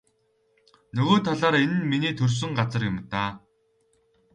Нөгөө талаар энэ нь миний төрсөн газар юм даа.